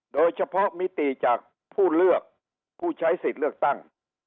มิติจากผู้เลือกผู้ใช้สิทธิ์เลือกตั้ง